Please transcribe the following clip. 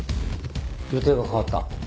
予定が変わった。